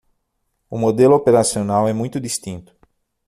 O modelo operacional é muito distinto